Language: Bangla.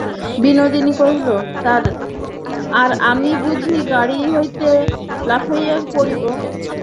বিনোদিনী কহিল, আর আমি বুঝি গাড়ি হইতে লাফাইয়া পড়িব?